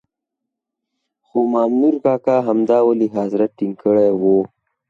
خو مامنور کاکا همدا ولي حضرت ټینګ کړی وو.